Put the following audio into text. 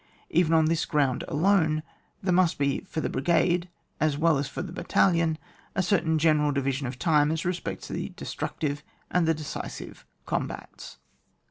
Even on this ground alone, there must be for the brigade as well as for the bat talion, a certain general division of time as respects the destructive and the de cisive combats.